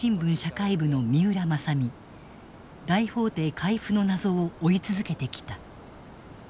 大法廷回付の謎を追い続けてきた。